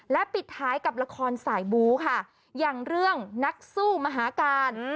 และปิดท้ายกับละครสายบู๊ค่ะอย่างเรื่องนักสู้มหาการ